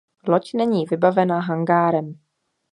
Loď není vybavena hangárem.